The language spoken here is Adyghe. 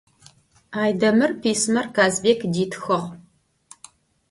Aydemır pismer Kazbêk ditxığ.